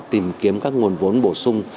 tìm kiếm các nguồn vốn bổ sung